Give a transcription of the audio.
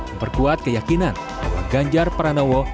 memperkuat keyakinan bahwa ganjar pranowo